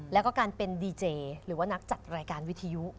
แล้วก็การเป็นดีเจหรือว่านักจัดรายการวิทยุ